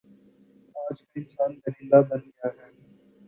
آج کا انسان درندہ بن گیا ہے